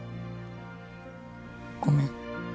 ごめん。